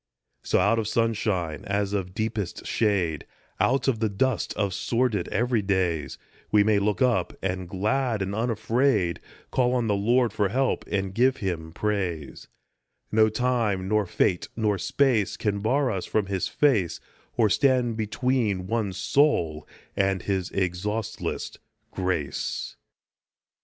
So out of sunshine as of deepest shade, Out of the dust of sordid every days, We may look up, and, glad and unafraid, Call on the Lord for help, and give him praise ; No time nor fate nor space can bar us from his face, Or stand between one soul and his exhaustless grace.